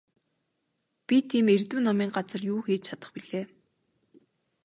Би тийм эрдэм номын газар юу хийж чадах билээ?